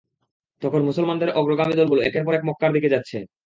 তখন মুসলমানদের অগ্রগামী দলগুলো একের পর এক মক্কার দিকে যাচ্ছে।